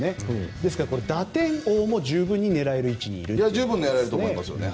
だから打点王も十分に狙える位置にいるということですね。